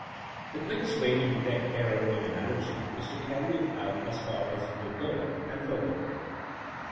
The quickest way to detect error in analogy is to carry it out as far as it will go — and fur ther.